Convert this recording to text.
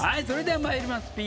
それでは参ります。